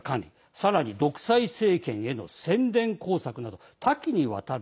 さらに独裁政権への宣伝工作など多岐にわたる。